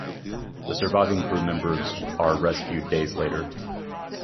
The surviving crew members are rescued days later.